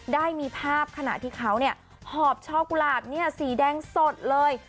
ได้มีภาพขณะที่เขาเนี้ยหอบช็อกกุระบเนี้ยสีแดงสดเลย